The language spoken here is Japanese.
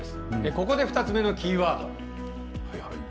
ここで２つ目のキーワード。